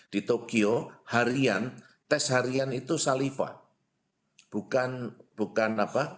di tokyo harian tes yang diberikan itu harus disediakan